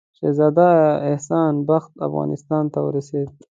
شهزاده احسان بخت افغانستان ته ورسېدی.